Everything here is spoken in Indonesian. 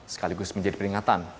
sekaligus menjadi peringatan